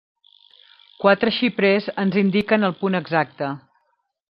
Quatre xiprers ens indiquen el punt exacte.